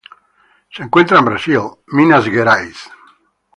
Se encuentra en Brasil: Minas Gerais.